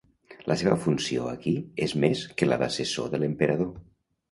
La seva funció aquí és més que la d'assessor de l'emperador.